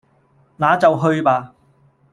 那就去吧！